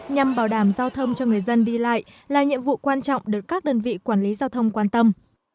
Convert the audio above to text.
nhằm bảo đảm giao thông cho người dân đi lại là nhiệm vụ quan trọng được các đơn vị quản lý giao thông quan tâm